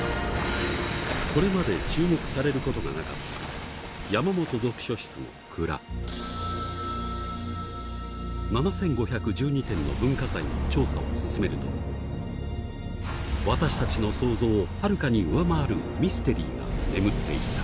これまで注目されることがなかった山本読書室の蔵。の調査を進めると私たちの想像をはるかに上回るミステリーが眠っていた。